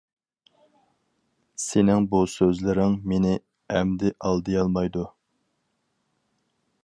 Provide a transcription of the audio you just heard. سېنىڭ بۇ سۆزلىرىڭ مېنى ئەمدى ئالدىيالمايدۇ.